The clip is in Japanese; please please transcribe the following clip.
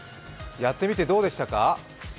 やってみてどうでしたか？